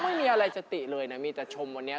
ไม่มีอะไรจะติอะไรนะไม่มีแต่หนุ่มวันนี้